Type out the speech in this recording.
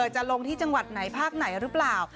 จะลงที่จังหวัดไหนภาคไหนหรือเปล่า